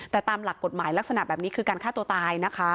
แต่ตามหลักกฎหมายลักษณะแบบนี้คือการฆ่าตัวตายนะคะ